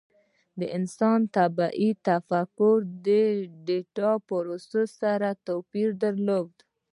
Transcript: د انسان طبیعي تفکر د ډیټا پروسس سره توپیر درلود.